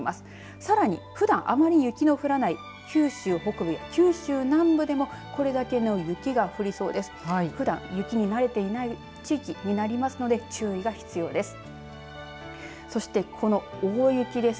さらに、ふだんあまり雪の降らない九州北部や九州南部でもこれだけの雪が降りそうです。